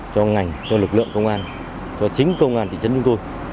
cho ngành cho lực lượng công an cho chính công an thị trấn chúng tôi